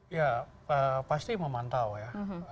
ya pasti memantau ya